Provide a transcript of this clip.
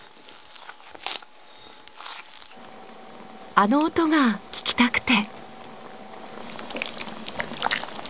あの音が聞きたくて。